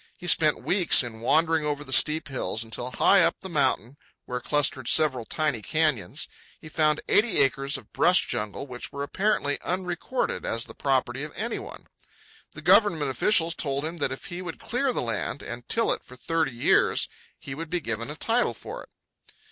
He spent weeks in wandering over the steep hills, until, high up the mountain, where clustered several tiny canyons, he found eighty acres of brush jungle which were apparently unrecorded as the property of any one. The government officials told him that if he would clear the land and till it for thirty years he would be given a title for it.